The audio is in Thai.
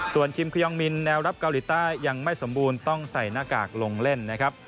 ส่วนคิมคยองมินแนวรับเกาหลีใต้ยังไม่สมบูรณ์ต้องใส่หน้ากากลงเล่นนะครับ